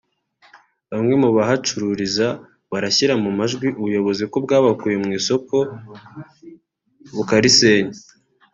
Bamwe mu bahacururiza barashyira mu majwi ubuyobozi ko bwabakuye mu isoko bukarisenya